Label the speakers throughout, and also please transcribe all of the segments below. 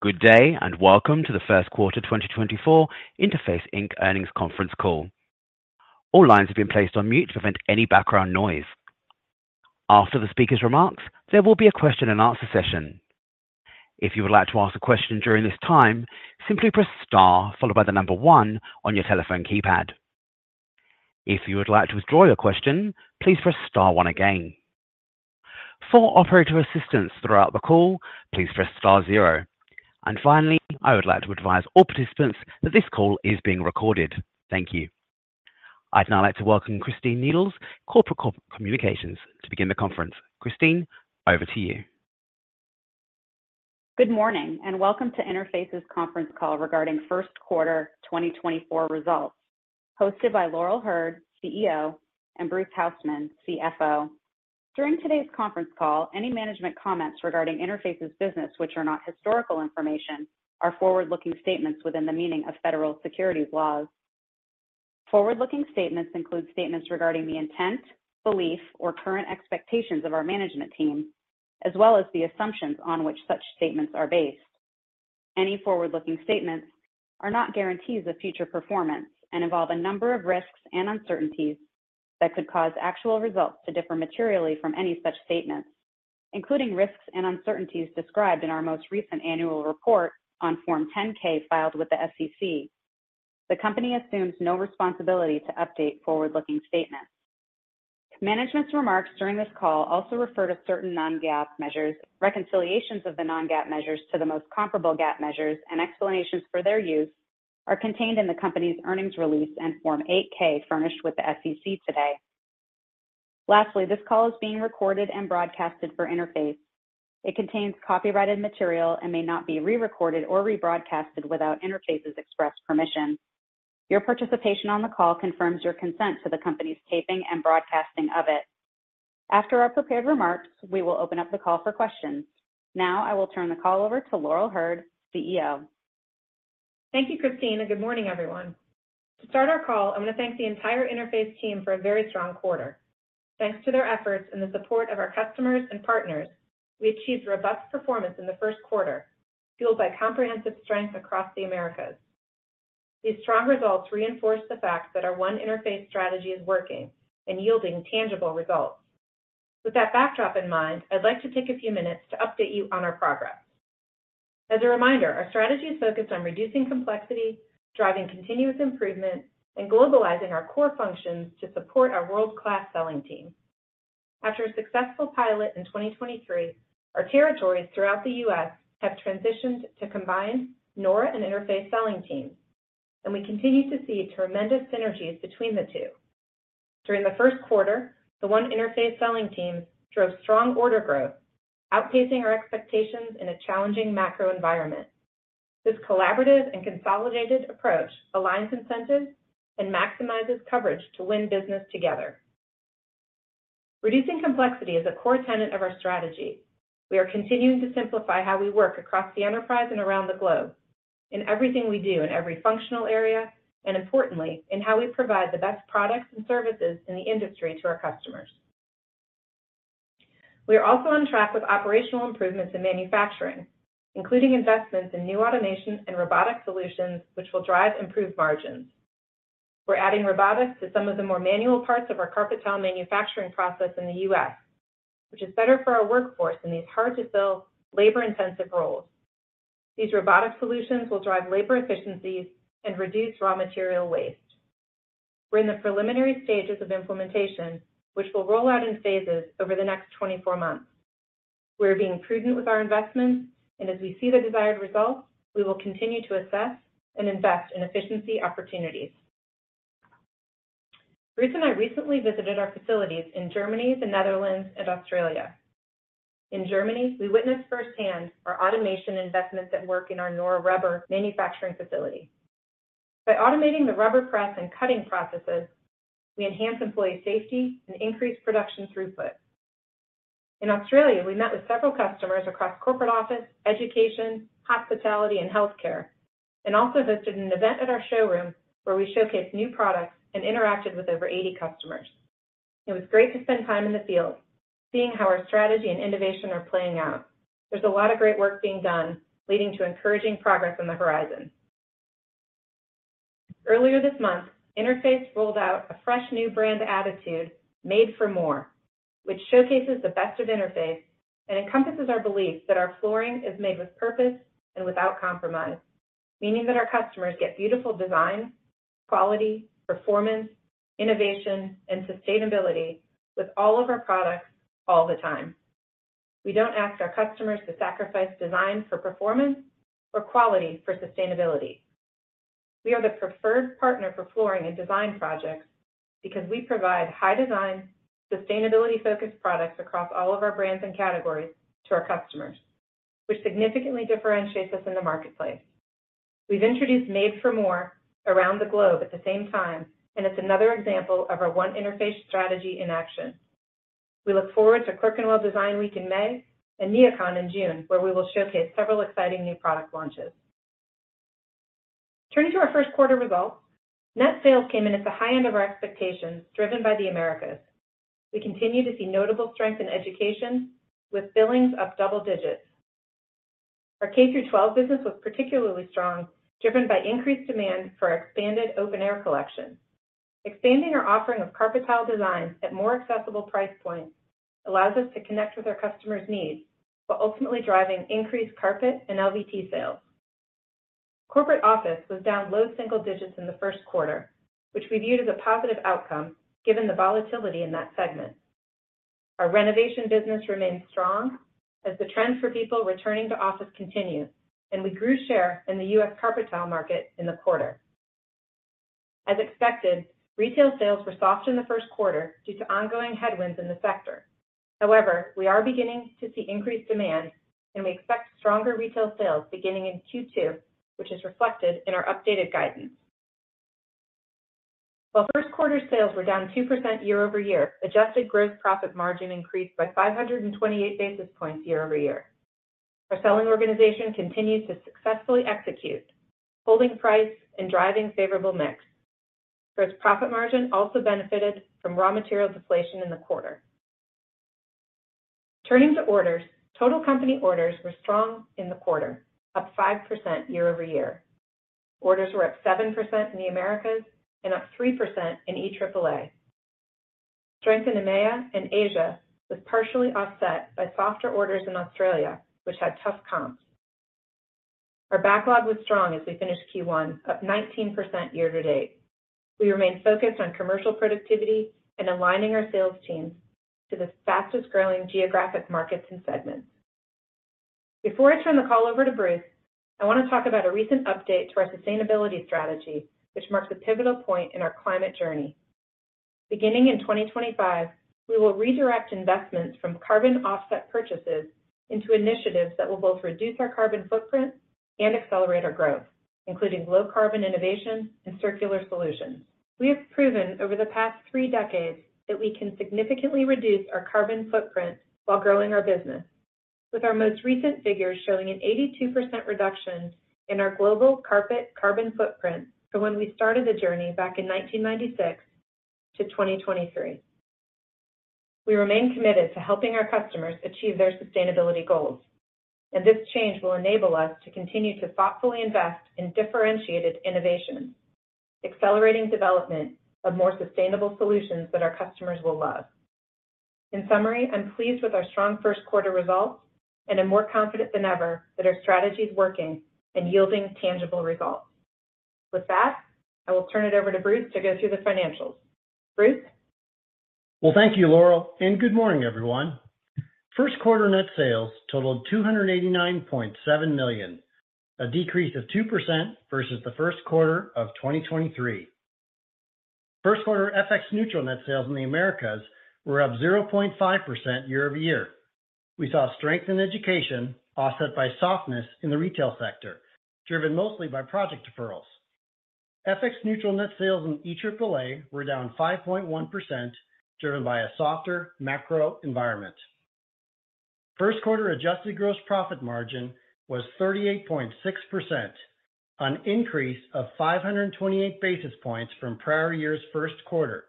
Speaker 1: Good day, and welcome to the first quarter 2024 Interface, Inc. earnings conference call. All lines have been placed on mute to prevent any background noise. After the speaker's remarks, there will be a question and answer session. If you would like to ask a question during this time, simply press Star followed by the number one on your telephone keypad. If you would like to withdraw your question, please press star one again. For operator assistance throughout the call, please press star zero. And finally, I would like to advise all participants that this call is being recorded. Thank you. I'd now like to welcome Christine Needles, Corporate Communications, to begin the conference. Christine, over to you.
Speaker 2: Good morning, and welcome to Interface's conference call regarding first quarter 2024 results, hosted by Laurel Hurd, CEO, and Bruce Hausmann, CFO. During today's conference call, any management comments regarding Interface's business, which are not historical information, are forward-looking statements within the meaning of federal securities laws. Forward-looking statements include statements regarding the intent, belief, or current expectations of our management team, as well as the assumptions on which such statements are based. Any forward-looking statements are not guarantees of future performance and involve a number of risks and uncertainties that could cause actual results to differ materially from any such statements, including risks and uncertainties described in our most recent annual report on Form 10-K filed with the SEC. The company assumes no responsibility to update forward-looking statements. Management's remarks during this call also refer to certain non-GAAP measures. Reconciliations of the non-GAAP measures to the most comparable GAAP measures and explanations for their use are contained in the company's earnings release and Form 8-K furnished with the SEC today. Lastly, this call is being recorded and broadcasted for Interface. It contains copyrighted material and may not be re-recorded or rebroadcasted without Interface's express permission. Your participation on the call confirms your consent to the company's taping and broadcasting of it. After our prepared remarks, we will open up the call for questions. Now, I will turn the call over to Laurel Hurd, CEO.
Speaker 3: Thank you, Christine, and good morning, everyone. To start our call, I want to thank the entire Interface team for a very strong quarter. Thanks to their efforts and the support of our customers and partners, we achieved robust performance in the first quarter, fueled by comprehensive strength across the Americas. These strong results reinforce the fact that our One Interface strategy is working and yielding tangible results. With that backdrop in mind, I'd like to take a few minutes to update you on our progress. As a reminder, our strategy is focused on reducing complexity, driving continuous improvement, and globalizing our core functions to support our world-class selling team. After a successful pilot in 2023, our territories throughout the U.S. have transitioned to combined nora and Interface selling teams, and we continue to see tremendous synergies between the two. During the first quarter, the One Interface selling team drove strong order growth, outpacing our expectations in a challenging macro environment. This collaborative and consolidated approach aligns incentives and maximizes coverage to win business together. Reducing complexity is a core tenet of our strategy. We are continuing to simplify how we work across the enterprise and around the globe in everything we do, in every functional area, and importantly, in how we provide the best products and services in the industry to our customers. We are also on track with operational improvements in manufacturing, including investments in new automation and robotic solutions, which will drive improved margins. We're adding robotics to some of the more manual parts of our carpet tile manufacturing process in the U.S., which is better for our workforce in these hard-to-fill, labor-intensive roles. These robotic solutions will drive labor efficiencies and reduce raw material waste. We're in the preliminary stages of implementation, which will roll out in phases over the next 24 months. We're being prudent with our investments, and as we see the desired results, we will continue to assess and invest in efficiency opportunities. Bruce and I recently visited our facilities in Germany, the Netherlands, and Australia. In Germany, we witnessed firsthand our automation investments at work in our nora rubber manufacturing facility. By automating the rubber press and cutting processes, we enhance employee safety and increase production throughput. In Australia, we met with several customers across corporate office, education, hospitality, and healthcare, and also visited an event at our showroom where we showcased new products and interacted with over 80 customers. It was great to spend time in the field, seeing how our strategy and innovation are playing out. There's a lot of great work being done, leading to encouraging progress on the horizon. Earlier this month, Interface rolled out a fresh new brand attitude, Made for More, which showcases the best of Interface and encompasses our belief that our flooring is made with purpose and without compromise, meaning that our customers get beautiful design, quality, performance, innovation, and sustainability with all of our products all the time. We don't ask our customers to sacrifice design for performance or quality for sustainability. We are the preferred partner for flooring and design projects because we provide high-design, sustainability-focused products across all of our brands and categories to our customers, which significantly differentiates us in the marketplace. We've introduced Made for More around the globe at the same time, and it's another example of our One Interface strategy in action. We look forward to Clerkenwell Design Week in May and NeoCon in June, where we will showcase several exciting new product launches. Turning to our first quarter results, net sales came in at the high end of our expectations, driven by the Americas. We continue to see notable strength in education, with billings up double digits. Our K through twelve business was particularly strong, driven by increased demand for our expanded Open Air collection. Expanding our offering of carpet tile designs at more accessible price points allows us to connect with our customers' needs, while ultimately driving increased carpet and LVT sales. Corporate office was down low single digits in the first quarter, which we viewed as a positive outcome, given the volatility in that segment. Our renovation business remains strong as the trend for people returning to office continues, and we grew share in the U.S. carpet tile market in the quarter. As expected, retail sales were soft in the first quarter due to ongoing headwinds in the sector. However, we are beginning to see increased demand, and we expect stronger retail sales beginning in Q2, which is reflected in our updated guidance. While first quarter sales were down 2% year-over-year, adjusted gross profit margin increased by 528 basis points year-over-year. Our selling organization continues to successfully execute, holding price and driving favorable mix. Gross profit margin also benefited from raw material deflation in the quarter. Turning to orders, total company orders were strong in the quarter, up 5% year-over-year. Orders were up 7% in the Americas and up 3% in EAAA. Strength in EMEA and Asia was partially offset by softer orders in Australia, which had tough comps. Our backlog was strong as we finished Q1, up 19% year to date. We remain focused on commercial productivity and aligning our sales teams to the fastest-growing geographic markets and segments. Before I turn the call over to Bruce, I want to talk about a recent update to our sustainability strategy, which marks a pivotal point in our climate journey. Beginning in 2025, we will redirect investments from carbon offset purchases into initiatives that will both reduce our carbon footprint and accelerate our growth, including low carbon innovation and circular solutions. We have proven over the past three decades that we can significantly reduce our carbon footprint while growing our business, with our most recent figures showing an 82% reduction in our global carpet carbon footprint from when we started the journey back in 1996 to 2023. We remain committed to helping our customers achieve their sustainability goals, and this change will enable us to continue to thoughtfully invest in differentiated innovations, accelerating development of more sustainable solutions that our customers will love. In summary, I'm pleased with our strong first quarter results and am more confident than ever that our strategy is working and yielding tangible results. With that, I will turn it over to Bruce to go through the financials. Bruce?
Speaker 4: Well, thank you, Laurel, and good morning, everyone. First quarter net sales totaled $289.7 million, a decrease of 2% versus the first quarter of 2023. First quarter FX neutral net sales in the Americas were up 0.5% year-over-year. We saw strength in education, offset by softness in the retail sector, driven mostly by project deferrals. FX neutral net sales in EAAA were down 5.1%, driven by a softer macro environment. First quarter adjusted gross profit margin was 38.6%, an increase of 528 basis points from prior year's first quarter,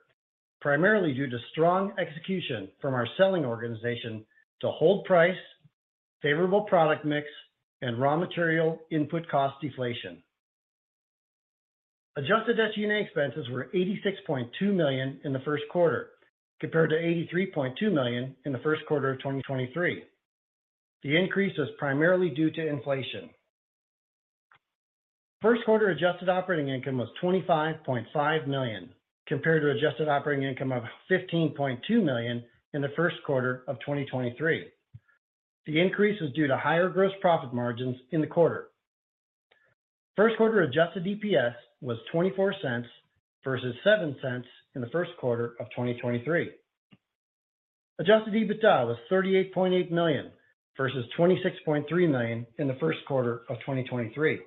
Speaker 4: primarily due to strong execution from our selling organization to hold price, favorable product mix, and raw material input cost deflation. Adjusted SG&A expenses were $86.2 million in the first quarter, compared to $83.2 million in the first quarter of 2023. The increase is primarily due to inflation. First quarter adjusted operating income was $25.5 million, compared to adjusted operating income of $15.2 million in the first quarter of 2023. The increase was due to higher gross profit margins in the quarter. First quarter adjusted EPS was $0.24 versus $0.07 in the first quarter of 2023. Adjusted EBITDA was $38.8 million, versus $26.3 million in the first quarter of 2023.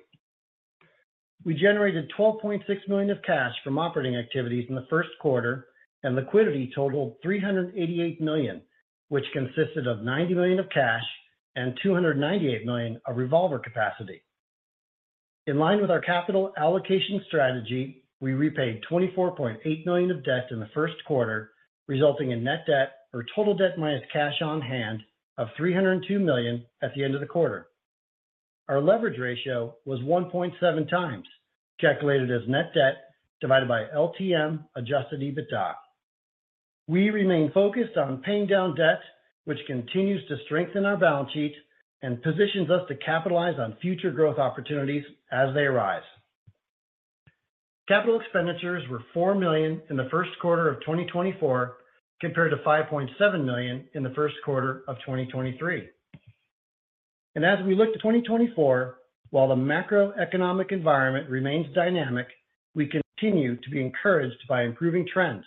Speaker 4: We generated $12.6 million of cash from operating activities in the first quarter, and liquidity totaled $388 million, which consisted of $90 million of cash and $298 million of revolver capacity. In line with our capital allocation strategy, we repaid $24.8 million of debt in the first quarter, resulting in net debt or total debt minus cash on hand of $302 million at the end of the quarter. Our leverage ratio was 1.7 times, calculated as net debt divided by LTM adjusted EBITDA. We remain focused on paying down debt, which continues to strengthen our balance sheet and positions us to capitalize on future growth opportunities as they arise. Capital expenditures were $4 million in the first quarter of 2024, compared to $5.7 million in the first quarter of 2023. And as we look to 2024, while the macroeconomic environment remains dynamic, we continue to be encouraged by improving trends.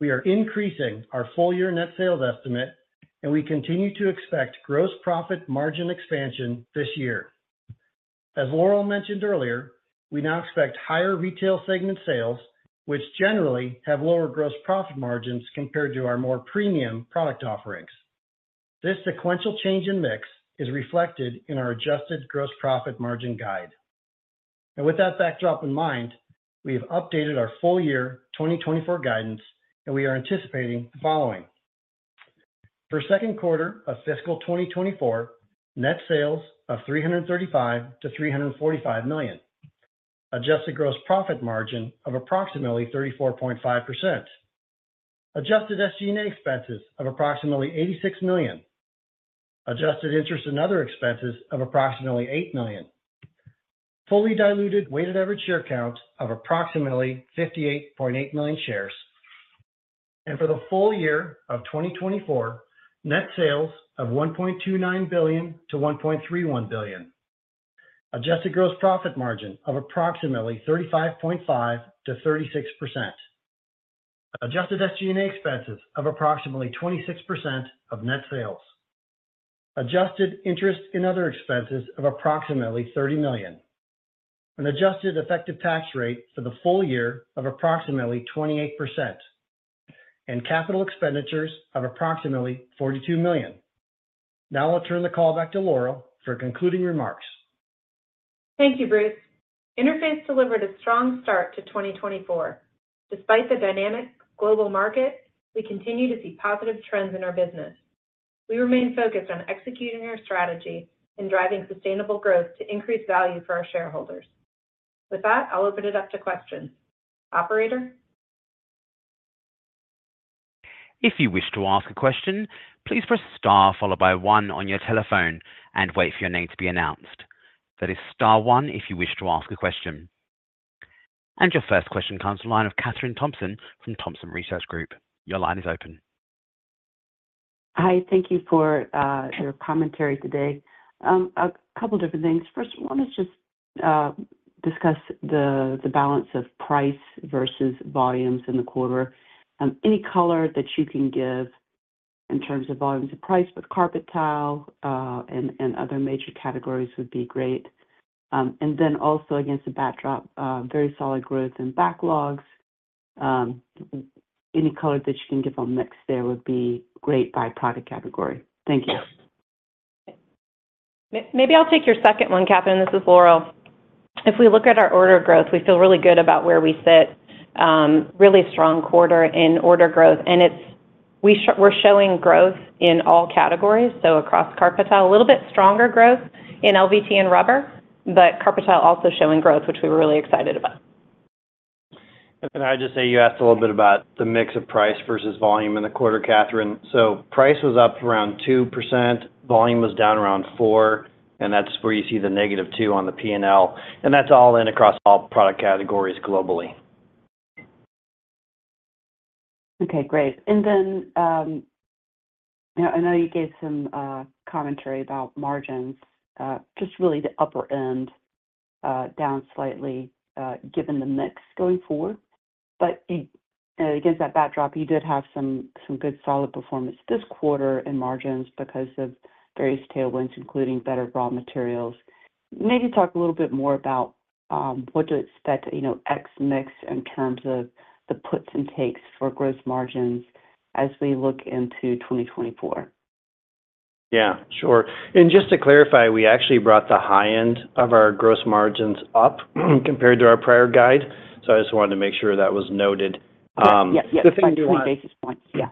Speaker 4: We are increasing our full-year net sales estimate, and we continue to expect gross profit margin expansion this year. As Laurel mentioned earlier, we now expect higher retail segment sales, which generally have lower gross profit margins compared to our more premium product offerings. This sequential change in mix is reflected in our adjusted gross profit margin guide. And with that backdrop in mind, we have updated our full year 2024 guidance, and we are anticipating the following: For second quarter of fiscal 2024, net sales of $335 million-$345 million. Adjusted gross profit margin of approximately 34.5%. Adjusted SG&A expenses of approximately $86 million. Adjusted interest and other expenses of approximately $8 million. Fully diluted weighted average share count of approximately 58.8 million shares. And for the full year of 2024, net sales of $1.29 billion-$1.31 billion. Adjusted gross profit margin of approximately 35.5%-36%. Adjusted SG&A expenses of approximately 26% of net sales. Adjusted interest in other expenses of approximately $30 million. An adjusted effective tax rate for the full year of approximately 28%, and capital expenditures of approximately $42 million. Now I'll turn the call back to Laurel for concluding remarks.
Speaker 3: Thank you, Bruce. Interface delivered a strong start to 2024. Despite the dynamic global market, we continue to see positive trends in our business. We remain focused on executing our strategy and driving sustainable growth to increase value for our shareholders. With that, I'll open it up to questions. Operator?
Speaker 1: If you wish to ask a question, please press Star, followed by one on your telephone and wait for your name to be announced. That is star one, if you wish to ask a question. And your first question comes from the line of Kathryn Thompson from Thompson Research Group. Your line is open.
Speaker 5: Hi, thank you for your commentary today. A couple different things. First, I want to just discuss the balance of price versus volumes in the quarter. Any color that you can give in terms of volumes of price with carpet tile, and other major categories would be great. And then also against the backdrop, very solid growth in backlogs. Any color that you can give on mix there would be great by product category. Thank you.
Speaker 3: Maybe I'll take your second one, Kathryn. This is Laurel. If we look at our order growth, we feel really good about where we sit. Really strong quarter in order growth, and it's, we're showing growth in all categories, so across carpet tile, a little bit stronger growth in LVT and rubber, but carpet tile also showing growth, which we're really excited about.
Speaker 4: Can I just say, you asked a little bit about the mix of price versus volume in the quarter, Kathryn. Price was up around 2%, volume was down around 4%, and that's where you see the -2% on the P&L, and that's all in across all product categories globally.
Speaker 5: Okay, great. And then, I know you gave some commentary about margins, just really the upper end, down slightly, given the mix going forward. But, against that backdrop, you did have some, some good solid performance this quarter in margins because of various tailwinds, including better raw materials. Maybe talk a little bit more about what to expect, you know, X mix in terms of the puts and takes for gross margins as we look into 2024.
Speaker 4: Yeah, sure. And just to clarify, we actually brought the high end of our gross margins up compared to our prior guide, so I just wanted to make sure that was noted.
Speaker 5: Yeah. Yeah, by 20 basis points, yeah.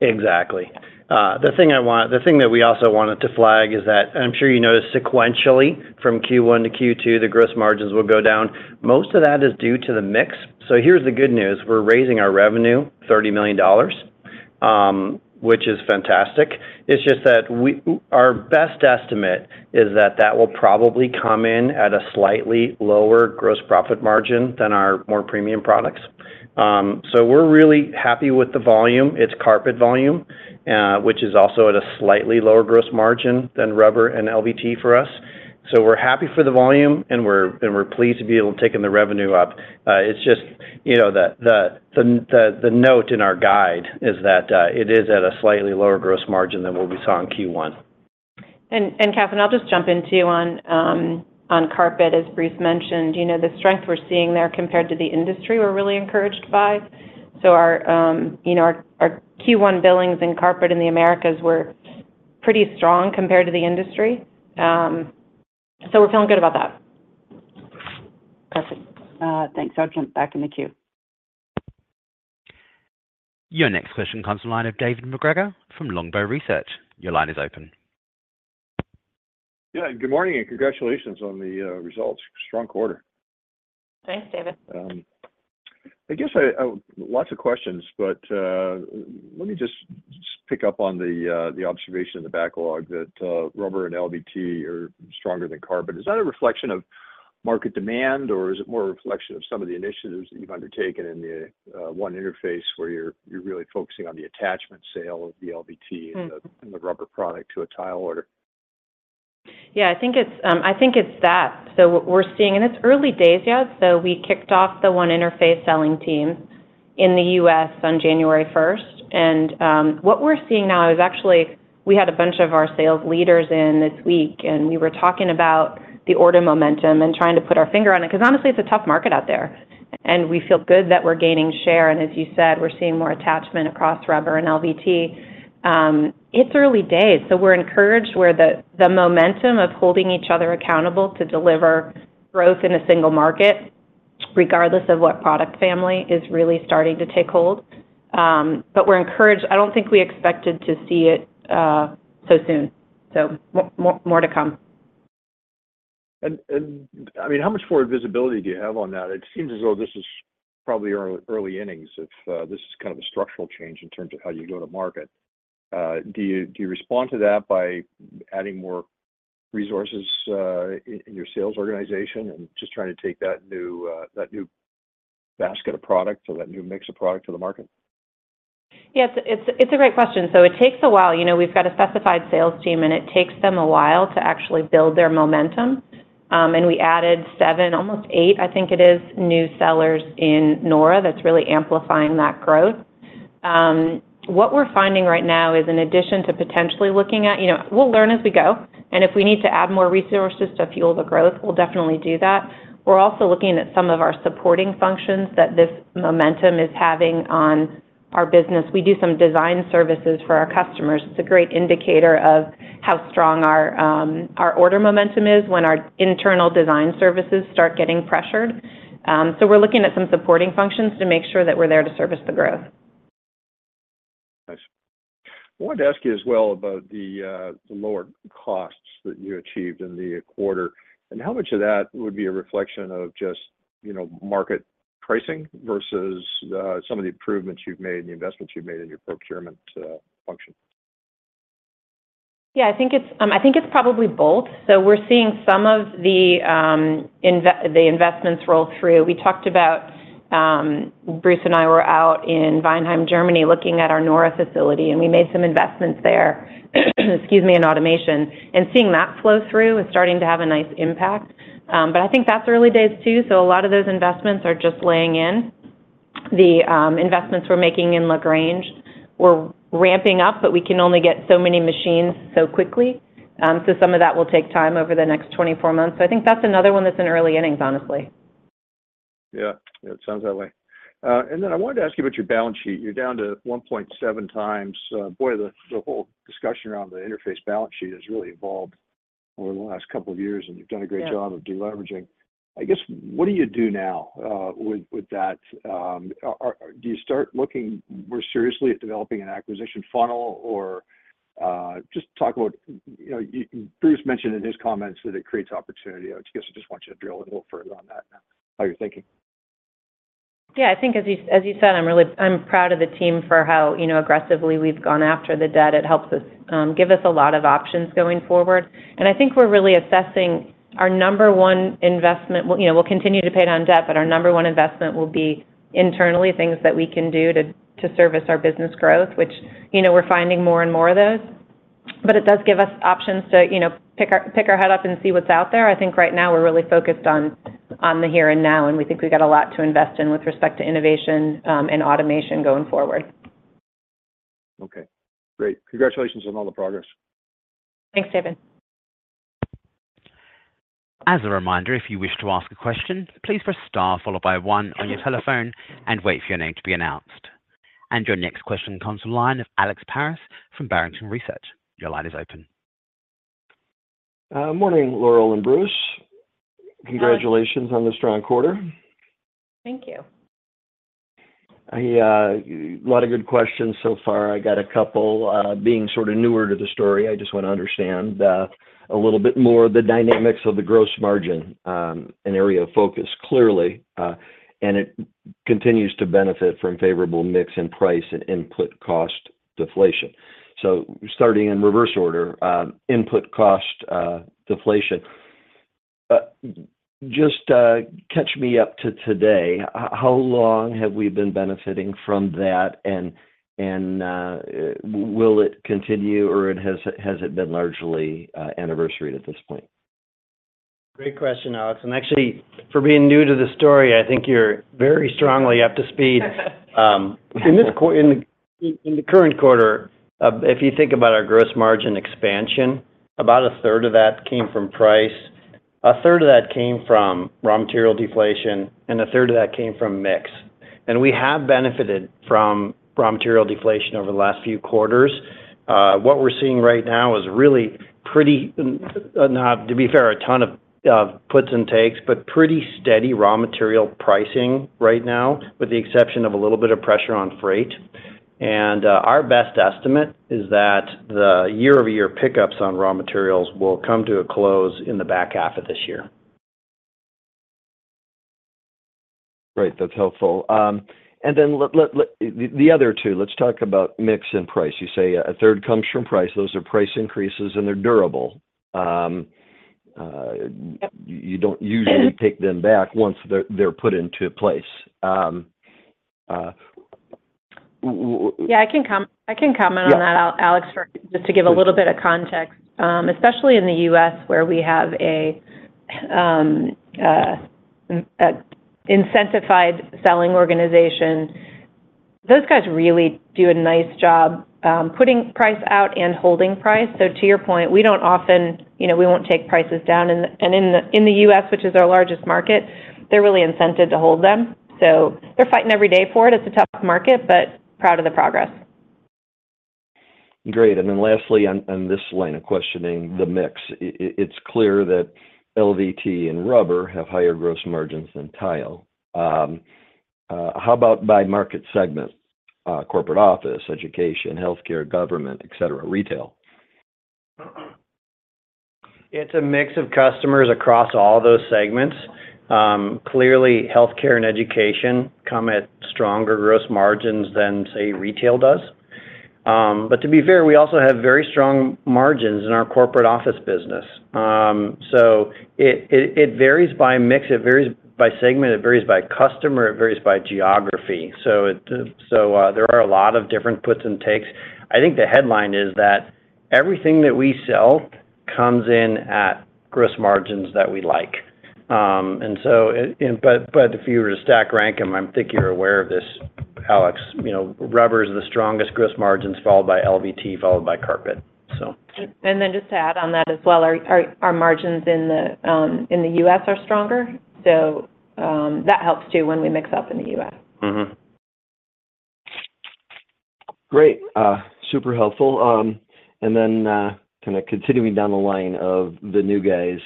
Speaker 4: Exactly. The thing that we also wanted to flag is that I'm sure you noticed sequentially from Q1 to Q2, the gross margins will go down. Most of that is due to the mix. So here's the good news: We're raising our revenue $30 million, which is fantastic. It's just that our best estimate is that that will probably come in at a slightly lower gross profit margin than our more premium products. So we're really happy with the volume. It's carpet volume, which is also at a slightly lower gross margin than rubber and LVT for us. So we're happy for the volume, and we're pleased to be able to taking the revenue up. It's just, you know, the note in our guide is that it is at a slightly lower gross margin than what we saw in Q1.
Speaker 3: Kathryn, I'll just jump in too on carpet, as Bruce mentioned. You know, the strength we're seeing there compared to the industry, we're really encouraged by. So our, you know, our Q1 billings in carpet in the Americas were pretty strong compared to the industry. So we're feeling good about that.
Speaker 5: Perfect. Thanks. I'll jump back in the queue.
Speaker 1: Your next question comes from line of David MacGregor from Longbow Research. Your line is open.
Speaker 6: Yeah, good morning, and congratulations on the results. Strong quarter.
Speaker 3: Thanks, David.
Speaker 7: I guess lots of questions, but let me just pick up on the observation of the backlog, that rubber and LVT are stronger than carpet. Is that a reflection of market demand, or is it more a reflection of some of the initiatives that you've undertaken in the One Interface where you're really focusing on the attachment sale of the LVT-... and the rubber product to a tile order?
Speaker 3: Yeah, I think it's, I think it's that. So what we're seeing, and it's early days yet, so we kicked off the One Interface selling team in the U.S. on January first. And, what we're seeing now is actually we had a bunch of our sales leaders in this week, and we were talking about the order momentum and trying to put our finger on it, because honestly, it's a tough market out there... and we feel good that we're gaining share, and as you said, we're seeing more attachment across rubber and LVT. It's early days, so we're encouraged, where the, the momentum of holding each other accountable to deliver growth in a single market, regardless of what product family, is really starting to take hold. But we're encouraged. I don't think we expected to see it, so soon, so more to come.
Speaker 6: I mean, how much forward visibility do you have on that? It seems as though this is probably early innings, if this is kind of a structural change in terms of how you go to market. Do you respond to that by adding more resources in your sales organization and just trying to take that new basket of product or that new mix of product to the market?
Speaker 3: Yes, it's, it's a great question. So it takes a while. You know, we've got a specified sales team, and it takes them a while to actually build their momentum. And we added 7, almost 8, I think it is, new sellers in nora that's really amplifying that growth. What we're finding right now is in addition to potentially looking at... You know, we'll learn as we go, and if we need to add more resources to fuel the growth, we'll definitely do that. We're also looking at some of our supporting functions that this momentum is having on our business. We do some design services for our customers. It's a great indicator of how strong our order momentum is when our internal design services start getting pressured. So we're looking at some supporting functions to make sure that we're there to service the growth.
Speaker 6: Nice. I wanted to ask you as well about the, the lower costs that you achieved in the quarter, and how much of that would be a reflection of just, you know, market pricing versus, some of the improvements you've made, the investments you've made in your procurement, function?
Speaker 3: Yeah, I think it's, I think it's probably both. So we're seeing some of the, the investments roll through. We talked about, Bruce and I were out in Weinheim, Germany, looking at our nora facility, and we made some investments there, excuse me, in automation. And seeing that flow through is starting to have a nice impact. But I think that's early days, too, so a lot of those investments are just laying in. The, investments we're making in LaGrange, we're ramping up, but we can only get so many machines so quickly. So some of that will take time over the next 24 months. So I think that's another one that's in early innings, honestly.
Speaker 6: Yeah, it sounds that way. And then I wanted to ask you about your balance sheet. You're down to 1.7 times. Boy, the whole discussion around the Interface balance sheet has really evolved over the last couple of years, and you've done a great job-
Speaker 3: Yeah...
Speaker 6: of deleveraging. I guess, what do you do now with that? Do you start looking more seriously at developing an acquisition funnel or just talk about, you know, Bruce mentioned in his comments that it creates opportunity. I guess I just want you to drill a little further on that now, how you're thinking.
Speaker 3: Yeah, I think as you, as you said, I'm really-- I'm proud of the team for how, you know, aggressively we've gone after the debt. It helps us give us a lot of options going forward. And I think we're really assessing our number one investment. Well, you know, we'll continue to pay down debt, but our number one investment will be internally, things that we can do to service our business growth, which, you know, we're finding more and more of those. But it does give us options to, you know, pick our head up and see what's out there. I think right now we're really focused on the here and now, and we think we've got a lot to invest in with respect to innovation and automation going forward.
Speaker 6: Okay, great. Congratulations on all the progress.
Speaker 3: Thanks, David.
Speaker 1: As a reminder, if you wish to ask a question, please press star followed by one on your telephone and wait for your name to be announced. Your next question comes from the line of Alex Paris from Barrington Research. Your line is open.
Speaker 8: Morning, Laurel and Bruce.
Speaker 3: Hi.
Speaker 8: Congratulations on the strong quarter.
Speaker 3: Thank you.
Speaker 8: A lot of good questions so far. I got a couple, being sort of newer to the story, I just want to understand a little bit more the dynamics of the gross margin, an area of focus, clearly, and it continues to benefit from favorable mix and price and input cost deflation. So starting in reverse order, input cost deflation. Just catch me up to today, how long have we been benefiting from that, and will it continue, or has it been largely anniversaried at this point?
Speaker 4: Great question, Alex, and actually, for being new to the story, I think you're very strongly up to speed. In the current quarter, if you think about our gross margin expansion, about a third of that came from price, a third of that came from raw material deflation, and a third of that came from mix. And we have benefited from raw material deflation over the last few quarters. What we're seeing right now is really pretty, not, to be fair, a ton of puts and takes, but pretty steady raw material pricing right now, with the exception of a little bit of pressure on freight. And our best estimate is that the year-over-year pickups on raw materials will come to a close in the back half of this year.
Speaker 8: Great, that's helpful. And then the other two, let's talk about mix and price. You say a third comes from price. Those are price increases, and they're durable.
Speaker 3: Yep ...
Speaker 8: you don't usually take them back once they're put into place.
Speaker 3: Yeah, I can comment on that-... Alex, just to give a little bit of context. Especially in the U.S., where we have a incentivized selling organization... Those guys really do a nice job putting price out and holding price. So to your point, we don't often, you know, we won't take prices down. And in the U.S., which is our largest market, they're really incented to hold them. So they're fighting every day for it. It's a tough market, but proud of the progress.
Speaker 8: Great. And then lastly, on this line of questioning, the mix. It's clear that LVT and rubber have higher gross margins than tile. How about by market segment, corporate office, education, healthcare, government, et cetera, retail?
Speaker 4: It's a mix of customers across all those segments. Clearly, healthcare and education come at stronger gross margins than, say, retail does. But to be fair, we also have very strong margins in our corporate office business. So it varies by mix, it varies by segment, it varies by customer, it varies by geography. So, there are a lot of different puts and takes. I think the headline is that everything that we sell comes in at gross margins that we like. And so, but if you were to stack rank them, I think you're aware of this, Alex, you know, rubber is the strongest gross margins, followed by LVT, followed by carpet, so.
Speaker 3: Just to add on that as well, our margins in the U.S. are stronger, so that helps too, when we mix up in the U.S.
Speaker 8: Great. Super helpful. And then, kinda continuing down the line of the new guys'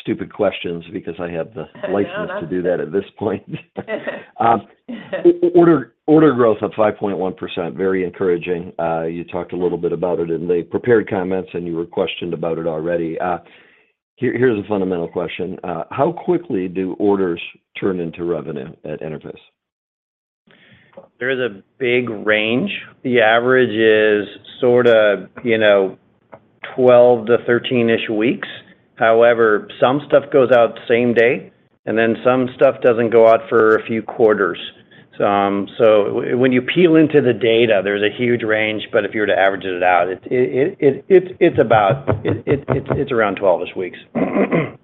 Speaker 8: stupid questions, because I have the-
Speaker 3: No, no...
Speaker 8: license to do that at this point. Order, order growth up 5.1%, very encouraging. You talked a little bit about it in the prepared comments, and you were questioned about it already. Here, here's a fundamental question: How quickly do orders turn into revenue at Interface?
Speaker 4: There is a big range. The average is sorta, you know, 12-13-ish weeks. However, some stuff goes out the same day, and then some stuff doesn't go out for a few quarters. So when you peel into the data, there's a huge range, but if you were to average it out, it's about, it's around 12-ish weeks.
Speaker 3: I'll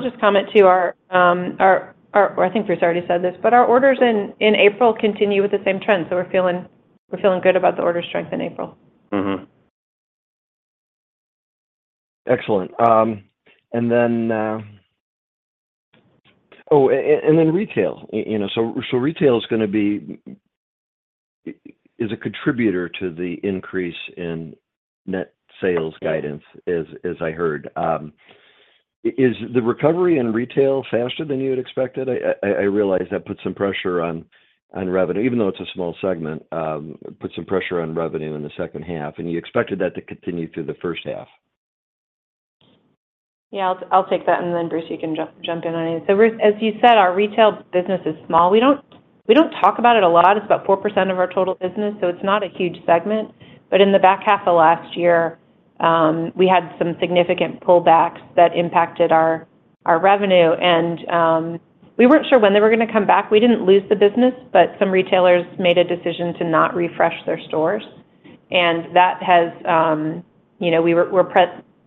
Speaker 3: just comment, too. I think Bruce already said this, but our orders in April continue with the same trend, so we're feeling good about the order strength in April.
Speaker 8: Mm-hmm. Excellent. And then. Oh, and then retail, you know, so, so retail is gonna be is a contributor to the increase in net sales guidance, as, as I heard. Is the recovery in retail faster than you had expected? I, I, I realize that puts some pressure on, on revenue, even though it's a small segment, it put some pressure on revenue in the second half, and you expected that to continue through the first half.
Speaker 3: Yeah, I'll take that, and then, Bruce, you can jump in on it. So Bruce, as you said, our retail business is small. We don't talk about it a lot. It's about 4% of our total business, so it's not a huge segment. But in the back half of last year, we had some significant pullbacks that impacted our revenue, and we weren't sure when they were gonna come back. We didn't lose the business, but some retailers made a decision to not refresh their stores, and that has, you know,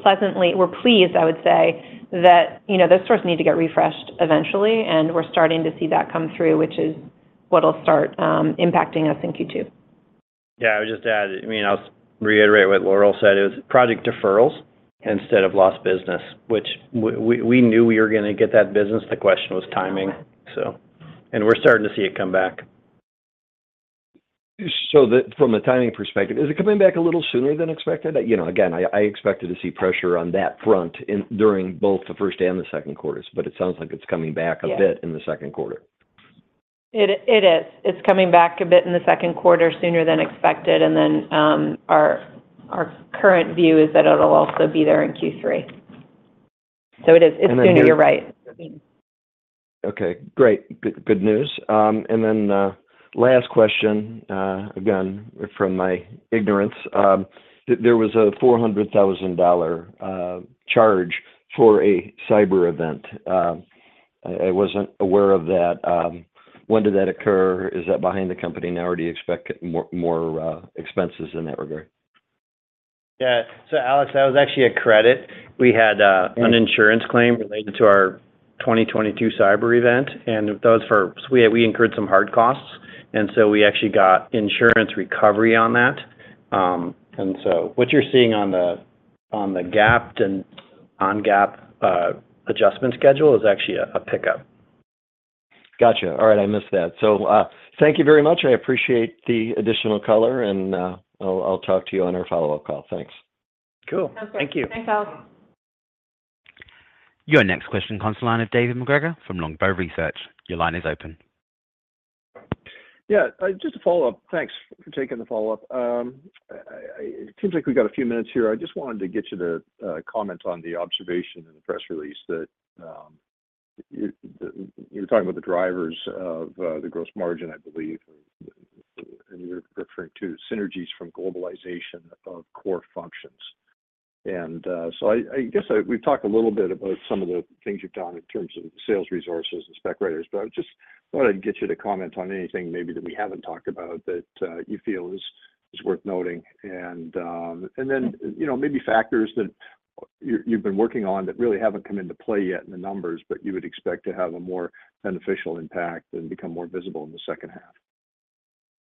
Speaker 3: we're pleased, I would say, that, you know, those stores need to get refreshed eventually, and we're starting to see that come through, which is what will start impacting us in Q2.
Speaker 4: Yeah, I would just add, I mean, I'll reiterate what Laurel said. It was project deferrals instead of lost business, which we knew we were gonna get that business. The question was timing, so, and we're starting to see it come back.
Speaker 8: So from a timing perspective, is it coming back a little sooner than expected? You know, again, I expected to see pressure on that front in, during both the first and the second quarters, but it sounds like it's coming back-
Speaker 3: Yeah
Speaker 8: a bit in the second quarter.
Speaker 3: It, it is. It's coming back a bit in the second quarter, sooner than expected, and then, our current view is that it'll also be there in Q3. So it is-
Speaker 8: And then-
Speaker 3: It's sooner, you're right. I mean.
Speaker 8: Okay, great. Good, good news. Then, last question, again, from my ignorance. There was a $400,000 charge for a cyber event. I wasn't aware of that. When did that occur? Is that behind the company now, or do you expect more expenses in that regard?
Speaker 4: Yeah. So Alex, that was actually a credit. We had-... an insurance claim related to our 2022 cyber event, and that was for... We, we incurred some hard costs, and so we actually got insurance recovery on that. And so what you're seeing on the, on the GAAP and on GAAP adjustment schedule is actually a, a pickup.
Speaker 8: Gotcha. All right, I missed that. So, thank you very much. I appreciate the additional color, and I'll talk to you on our follow-up call. Thanks.
Speaker 4: Cool.
Speaker 3: Sounds good.
Speaker 4: Thank you.
Speaker 3: Thanks, Alex.
Speaker 1: Your next question comes from the line of David MacGregor from Longbow Research. Your line is open.
Speaker 6: Yeah, just a follow-up. Thanks for taking the follow-up. It seems like we've got a few minutes here. I just wanted to get you to comment on the observation in the press release that you, you were talking about the drivers of the gross margin, I believe, and, and you're referring to synergies from globalization of core functions. And, so I, I guess we've talked a little bit about some of the things you've done in terms of sales resources and spec writers, but I just wanted to get you to comment on anything maybe that we haven't talked about that you feel is, is worth noting. And, and then, you know, maybe factors that are-... You, you've been working on that. Really haven't come into play yet in the numbers, but you would expect to have a more beneficial impact and become more visible in the second half?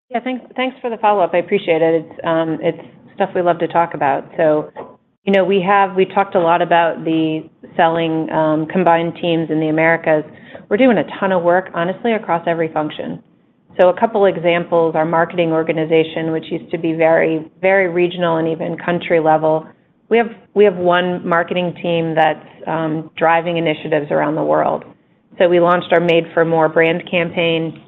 Speaker 3: Yeah, thanks, thanks for the follow-up. I appreciate it. It's stuff we love to talk about. So, you know, we have. We talked a lot about the selling combined teams in the Americas. We're doing a ton of work, honestly, across every function. So a couple examples, our marketing organization, which used to be very, very regional and even country level, we have, we have one marketing team that's driving initiatives around the world. So we launched our Made for More brand campaign,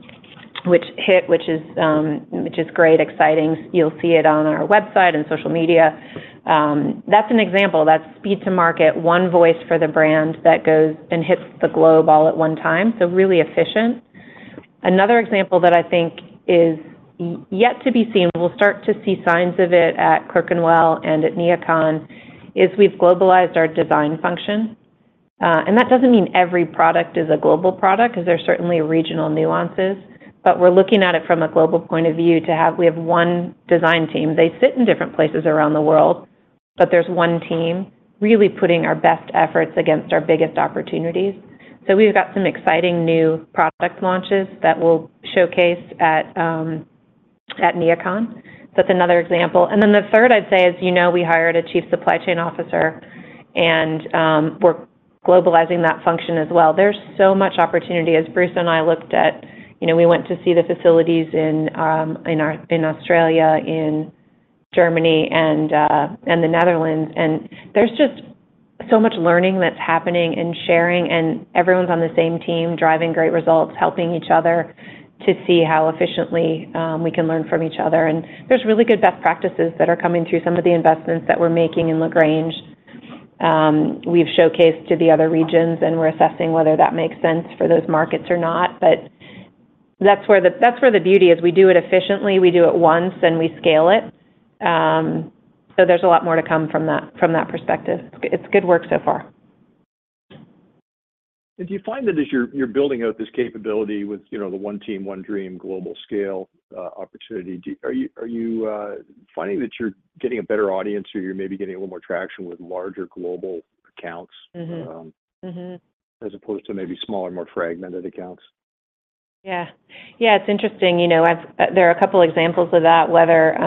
Speaker 3: which is great, exciting. You'll see it on our website and social media. That's an example. That's speed to market, one voice for the brand that goes and hits the globe all at one time, so really efficient. Another example that I think is yet to be seen, we'll start to see signs of it at Clerkenwell and at NeoCon, is we've globalized our design function. And that doesn't mean every product is a global product, because there are certainly regional nuances, but we're looking at it from a global point of view we have one design team. They sit in different places around the world, but there's one team really putting our best efforts against our biggest opportunities. So we've got some exciting new product launches that we'll showcase at, at NeoCon. So that's another example. And then the third, I'd say, as you know, we hired a chief supply chain officer, and we're globalizing that function as well. There's so much opportunity as Bruce and I looked at. You know, we went to see the facilities in Australia, in Germany, and the Netherlands, and there's just so much learning that's happening and sharing, and everyone's on the same team, driving great results, helping each other to see how efficiently we can learn from each other. And there's really good best practices that are coming through some of the investments that we're making in LaGrange. We've showcased to the other regions, and we're assessing whether that makes sense for those markets or not. But that's where the, that's where the beauty is. We do it efficiently, we do it once, then we scale it. So there's a lot more to come from that, from that perspective. It's, it's good work so far.
Speaker 6: Do you find that as you're building out this capability with, you know, the one team, one dream, global scale, opportunity, are you finding that you're getting a better audience or you're maybe getting a little more traction with larger global accounts? As opposed to maybe smaller, more fragmented accounts?
Speaker 3: Yeah. Yeah, it's interesting, you know, as there are a couple examples of that, whether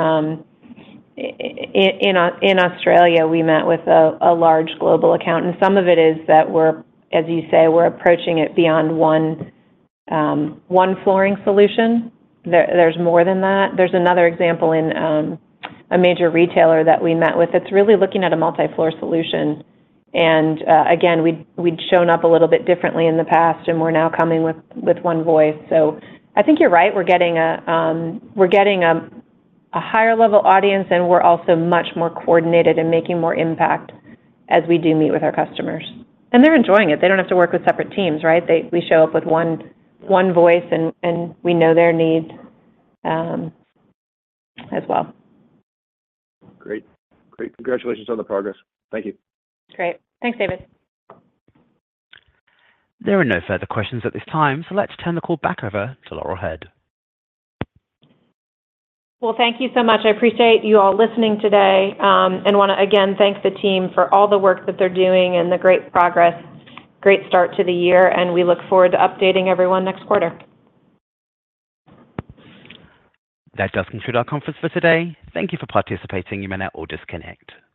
Speaker 3: in Australia, we met with a large global account, and some of it is that we're, as you say, we're approaching it beyond one flooring solution. There's more than that. There's another example in a major retailer that we met with that's really looking at a multi-floor solution, and again, we'd shown up a little bit differently in the past, and we're now coming with one voice. So I think you're right. We're getting a higher level audience, and we're also much more coordinated and making more impact as we do meet with our customers. And they're enjoying it. They don't have to work with separate teams, right? We show up with one, one voice, and, and we know their needs, as well.
Speaker 6: Great. Great. Congratulations on the progress. Thank you.
Speaker 3: Great. Thanks, David.
Speaker 1: There are no further questions at this time, so let's turn the call back over to Laurel Hurd.
Speaker 3: Well, thank you so much. I appreciate you all listening today, and wanna, again, thank the team for all the work that they're doing and the great progress, great start to the year, and we look forward to updating everyone next quarter.
Speaker 1: That does conclude our conference for today. Thank you for participating. You may now all disconnect.